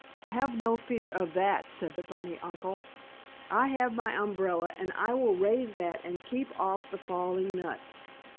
"Have no fear of that!" said the bunny uncle. "I have my umbrella, and I will raise that and keep off the falling nuts."